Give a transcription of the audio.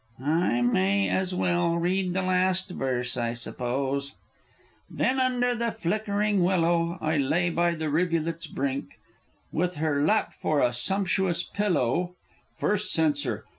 _) I may as well read the last verse, I suppose: "Then under the flickering willow I lay by the rivulet's brink, With her lap for a sumptuous pillow " _First Censor.